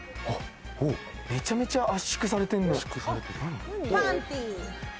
めちゃめちゃ圧縮されている。